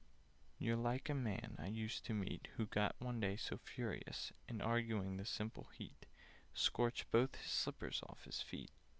"You're like a man I used to meet, Who got one day so furious In arguing, the simple heat Scorched both his slippers off his feet!"